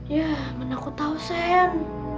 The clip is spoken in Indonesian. ya mana aku tahu sen